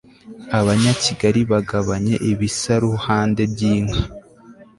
abanyakigali bagabanye ibisaruhande by'inka